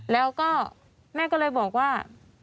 แล้วก็แม่ก็เลยบอกว่า